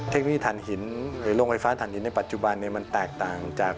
เทคนิคหล่องไฟฟ้าถ่านหินปัจจุบันต่างจาก